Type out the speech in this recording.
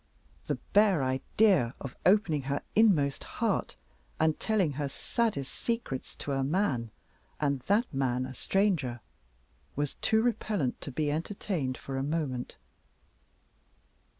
The bare idea of opening her inmost heart, and telling her saddest secrets, to a man, and that man a stranger, was too repellent to be entertained for a moment.